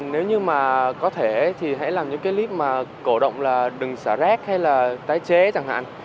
nếu như mà có thể thì hãy làm những cái lip mà cổ động là đừng xả rác hay là tái chế chẳng hạn